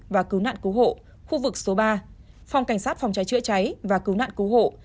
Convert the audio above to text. và cứu nạn cứu hộ khu vực số ba phòng cảnh sát phòng cháy chữa cháy và cứu nạn cứu hộ